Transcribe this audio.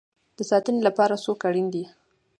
د ساتنې لپاره څوک اړین دی؟